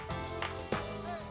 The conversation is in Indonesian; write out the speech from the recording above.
saya juga siap